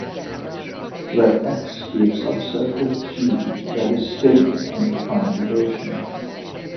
Let "X" be a subset of "G" that is stable under conjugation.